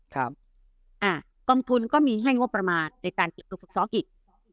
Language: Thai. ครับอ่ะกรรมทุนก็มีแห้งว่าประมาณในการเก็บตุกศักดิ์อีก